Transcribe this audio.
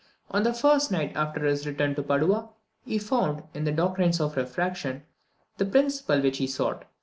On the first night after his return to Padua, he found, in the doctrines of refraction, the principle which he sought.